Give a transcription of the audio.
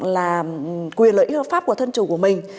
là quyền lợi ích hợp pháp của thân chủ của mình